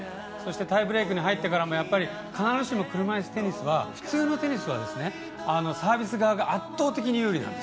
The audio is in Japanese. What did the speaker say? タイブレークに入ってからも必ずしも車いすテニスは普通のテニスとはサービス側が圧倒的に有利なんです。